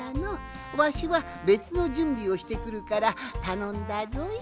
わしはべつのじゅんびをしてくるからたのんだぞい。